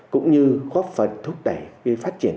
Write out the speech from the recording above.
cũng như góp phần thúc đẩy phát triển